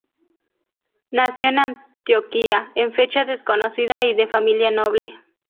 Nació en Antioquía en fecha desconocida y de familia noble.